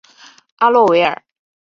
阿洛维尔。